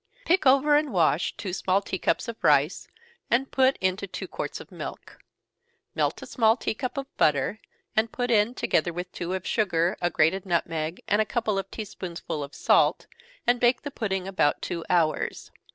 _ Pick over and wash two small tea cups of rice, and put it into two quarts of milk. Melt a small tea cup of butter, and put in, together with two of sugar, a grated nutmeg, and a couple of tea spoonsful of salt, and bake the pudding about two hours.